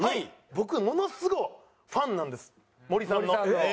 僕ものすごファンなんです森さんの。